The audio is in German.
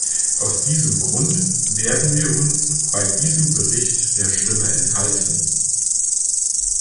Aus diesem Grund werden wir uns bei diesem Bericht der Stimme enthalten.